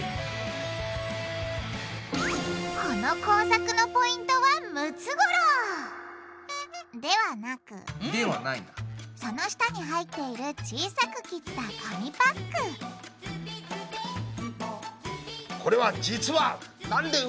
この工作のポイントはムツゴロウ！ではなくその下に入っている小さく切った紙パック電池だ！